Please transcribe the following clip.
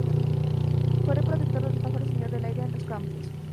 Fue protector de los pájaros, señor del aire y los campos.